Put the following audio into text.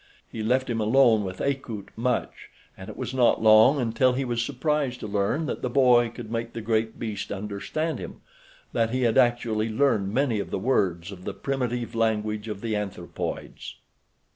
He left him alone with Akut much, and it was not long until he was surprised to learn that the boy could make the great beast understand him—that he had actually learned many of the words of the primitive language of the anthropoids.